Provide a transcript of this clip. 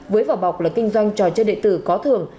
với vào bọc là kinh doanh trò chơi đệ tử có thường